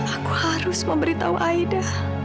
aku harus memberitahu aida